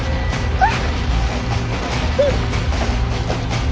あっ！